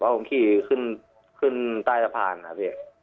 ผมขี่ขึ้นใต้สะพานครับพี่